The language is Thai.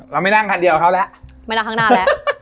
เราไม่นั่งคันเดียวเขาแล้วไม่นั่งข้างหน้าแล้ว